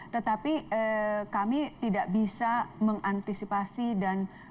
tetapi kami tidak bisa mengantisipasi dan